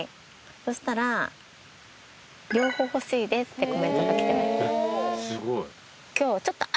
そしたら両方欲しいですってコメントが来てました。